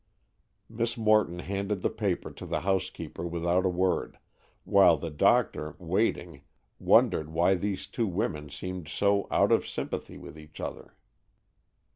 Miss Morton handed the paper to the housekeeper without a word, while the doctor, waiting, wondered why these two women seemed so out of sympathy with each other.